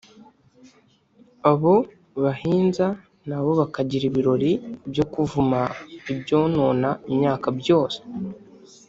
Abo bahinza nabo bakagira ibirori byo kuvuma ibyonona imyaka byose